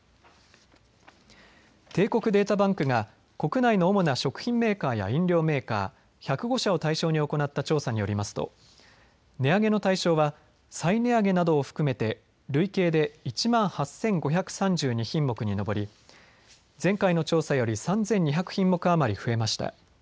帝国データバンクが国内の主な食品メーカーや飲料メーカー１０５社を対象に行った調査によりますと値上げの対象は再値上げなどを含めて累計で１万８５３２品目に上り、前回の調査より３２００品目余り増えました。